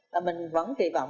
và mình vẫn kỳ vọng